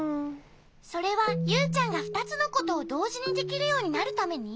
それはユウちゃんがふたつのことをどうじにできるようになるために？